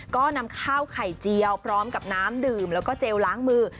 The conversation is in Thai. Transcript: ก็นำข้าวไข่เจียวพร้อมกับน้ำดื่มแล้วก็เจลล้างมือ